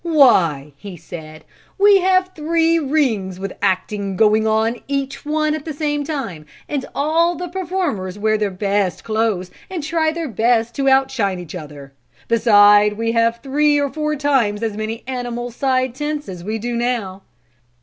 "Why!" he said, "we have three rings with acting going on in each one at the same time, and all the performers wear their best clothes and try their best to outshine each other; beside we have three or four times as many animal side tents as we do now.